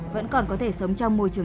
vẫn còn có thể sống trong môi trường